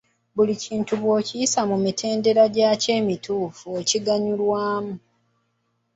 Buli kintu bw’okiyisa mu mitendera gyakyo emituufu okigannyulwamu.